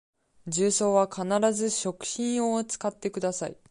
重曹は必ず食品用を使ってください